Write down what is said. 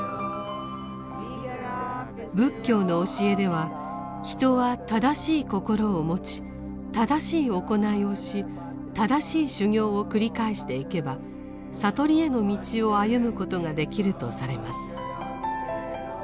仏教の教えでは人は正しい心を持ち正しい行いをし正しい修行を繰り返していけば悟りへの道を歩むことができるとされます。